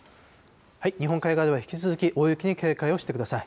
日本海側では引き続き大雪に警戒をしてください。